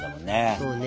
そうね。